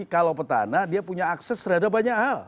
kalau petana dia punya akses terhadap banyak hal